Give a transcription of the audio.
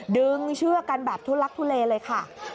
เชือกกันแบบทุลักทุเลเลยค่ะ